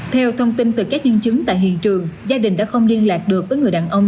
theo thông tin từ các nhân chứng tại hiện trường gia đình đã không liên lạc được với người đàn ông